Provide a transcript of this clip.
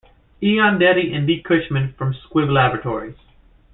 E. Ondetti and D. Cushman from Squibb laboratories.